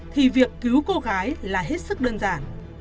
thì việc cứu cô gái là hết sức đơn giản